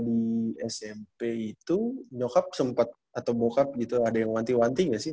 di smp itu nyokap sempat atau bokap gitu ada yang wanti wanti nggak sih